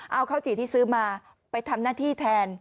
เอาข้าวจี่ที่ซื้อมาไปทำหน้าที่แทน